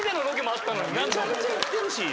めちゃくちゃ行ってるし。